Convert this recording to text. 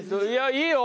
いいよ！